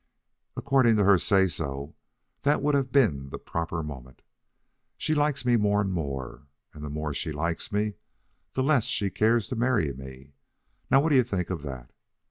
According to her say so, that would have been the proper moment. She likes me more and more, and the more she likes me the less she'd care to marry me! Now what do you think of that?